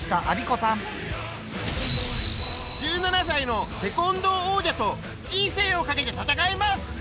１７歳のテコンドー王者と人生を懸けて戦います。